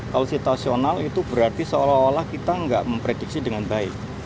kalau situasional itu berarti seolah olah kita nggak memprediksi dengan baik